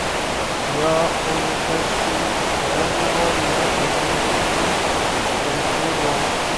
یا خو کشکي شاعر نه وای یا په دوو سترګو شمکور وای